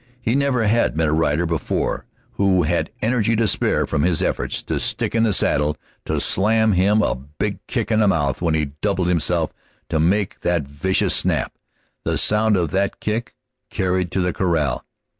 He never had met a rider before who had energy to spare from his efforts to stick in the saddle to slam him a big kick in the mouth when he doubled himself to make that vicious snap. The sound of that kick carried to the corral.